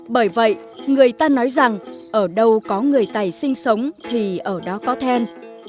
bởi vậy người ta nói rằng ở đâu có người tày sinh sống thì ở đó có then